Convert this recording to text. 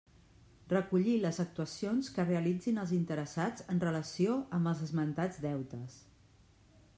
Recollir les actuacions que realitzin els interessats en relació amb els esmentats deutes.